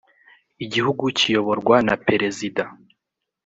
igihugu kiyoborwa na perezida.